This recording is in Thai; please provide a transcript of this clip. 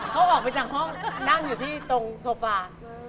เขาออกไปจากห้องนั่งอยู่ที่ตรงโซฟา